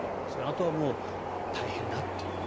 あとは大変だっていう。